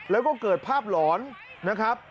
แล้วก็เกิดภาพหลอนนะครับ